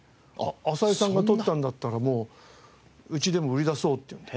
浅井さんが取ったんだったらもううちでも売り出そうって言って。